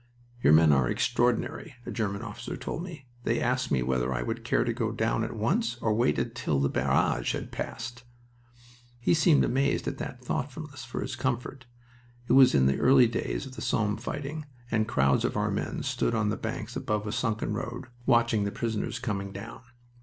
"Your men are extraordinary," a German officer told me. "They asked me whether I would care to go down at once or wait till the barrage had passed." He seemed amazed at that thoughtfulness for his comfort. It was in the early days of the Somme fighting, and crowds of our men stood on the banks above a sunken road, watching the prisoners coming down.